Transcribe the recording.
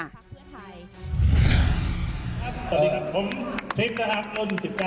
สวัสดีครับผมทิศนะครับนุ่น๑๙นะครับ